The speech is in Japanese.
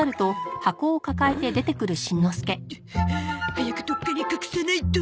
早くどっかに隠さないと。